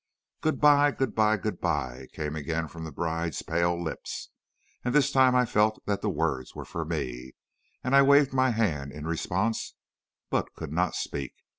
"'Good by! good by! good by!' came again from the bride's pale lips; and this time I felt that the words were for me, and I waved my hand in response, but could not speak.